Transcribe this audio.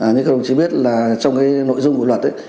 như các đồng chí biết là trong nội dung của luật